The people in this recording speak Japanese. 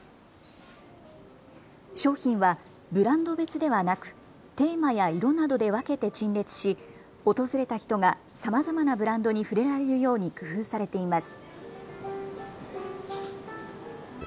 商品はブランド別ではなくテーマや色などで分けて陳列し訪れた人がさまざまなブランドに触れられるように工夫されています。